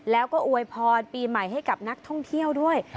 แล้วก็อวยพรปีใหม่ให้กับนักท่องเที่ยวด้วย